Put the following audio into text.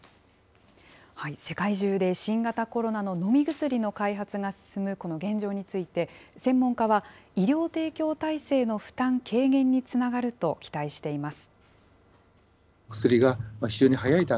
世界中で新型コロナの飲み薬の開発が進むこの現状について、専門家は、医療提供体制の負担軽減につながると期待しています。